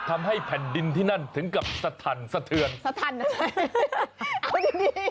ทำให้แผ่นดินที่นั่นถึงกับสะทันสะเทือนสะทัน